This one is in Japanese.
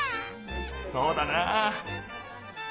そうだなあ。